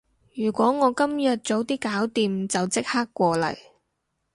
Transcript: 如果我今日早啲搞掂，就即刻過嚟